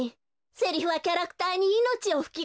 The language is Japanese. セリフはキャラクターにいのちをふきこむのよ。